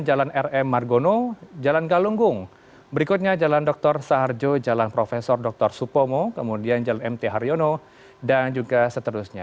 jalan rm margono jalan galunggung berikutnya jalan dr saharjo jalan prof dr supomo kemudian jalan mt haryono dan juga seterusnya